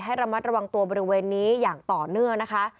ระมัดระวังตัวบริเวณนี้อย่างต่อเนื่องนะคะ